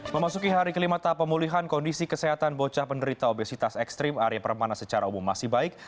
memasuki hari kelima tahap pemulihan kondisi kesehatan bocah penderita obesitas ekstrim arya permana secara umum masih baik